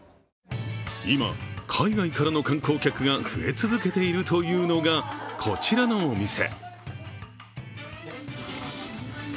今、海外からの観光客が増え続けているというのが、こちらのお店。